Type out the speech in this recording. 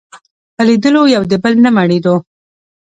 په لیدلو یو د بل نه مړېدلو